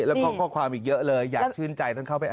แล้วก็ข้อความอีกเยอะเลยอยากชื่นใจท่านเข้าไปอ่าน